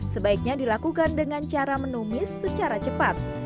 sebaiknya dilakukan dengan cara menumis secara cepat